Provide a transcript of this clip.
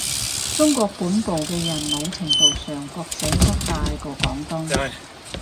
中國本部嘅人某程度上覺醒得快過廣東